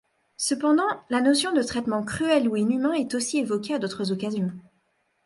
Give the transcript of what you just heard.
Cependant, la notion de traitement cruel ou inhumain est aussi évoquée à d'autres occasions.